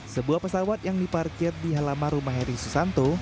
sebuah pesawat yang diparkir di halaman rumah heri susanto